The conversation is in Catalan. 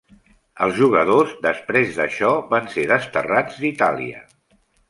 Els jugadors, després d'això, van ser desterrats d'Itàlia.